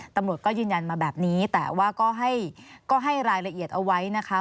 ตำรวจก็ยืนยันมาแบบนี้แต่ว่าก็ให้รายละเอียดเอาไว้นะคะ